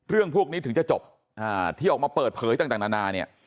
เรื่องพวกนี้ถึงจะจบที่ออกมาเปิดเผยต่างนานาเนี่ย